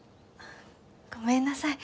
ごめんなさい。